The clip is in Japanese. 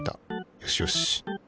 よしよし。